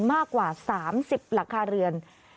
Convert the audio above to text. มากกว่า๓๐หลังคาเรือน